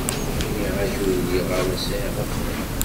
Nniɣ-ak ur lliɣ ara sɛiɣ afran.